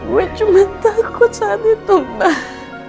gue cuma takut saat itu mbah